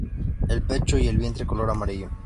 El pecho y el vientre color amarillo.